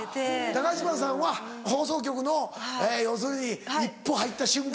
高島さんは放送局の要するに一歩入った瞬間。